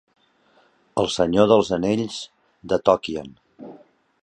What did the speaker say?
El Senyor dels Anyells de Tokien.